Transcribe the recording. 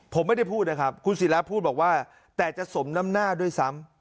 ผมไม่ได้พูดนะครับคุณศิราพูดบอกว่าแต่จะสมน้ำหน้าด้วยซ้ำ